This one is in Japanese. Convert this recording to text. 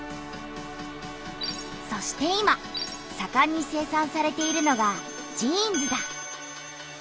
そして今さかんに生産されているのがジーンズだ。